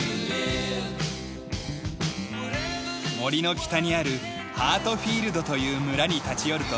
森の北にあるハートフィールドという村に立ち寄ると